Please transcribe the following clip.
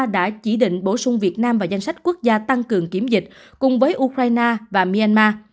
đã chỉ định bổ sung việt nam vào danh sách quốc gia tăng cường kiểm dịch cùng với ukraine và myanmar